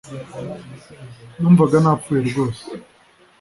numvaga napfuye rwose